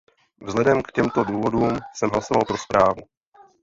Vzhledem k těmto důvodům jsem hlasoval pro zprávu.